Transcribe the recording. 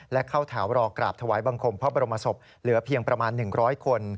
และเข้าแถวรอกราบถวายบังคมพระบรมศพเหลือเพียงประมาณ๑๐๐คน